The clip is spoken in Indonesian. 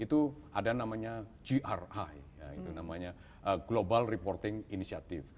itu ada namanya gri ya itu namanya global reporting initiative